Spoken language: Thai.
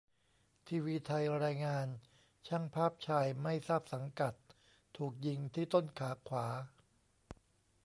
ทีวีไทยรายงาน ช่างภาพชายไม่ทราบสังกัดถูกยิงที่ต้นขาขวา